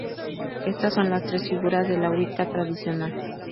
Estas son las tres figuras de la Wicca tradicional.